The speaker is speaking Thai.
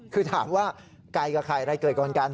คือถามว่าไกลกับใครไรเกิดกัน